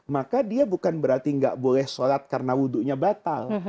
maka dia bukan berarti nggak boleh sholat karena wudhunya batal